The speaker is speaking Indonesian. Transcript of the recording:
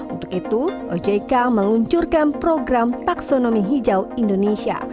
untuk itu ojk meluncurkan program taksonomi hijau indonesia